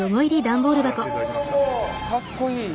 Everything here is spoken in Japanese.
かっこいい。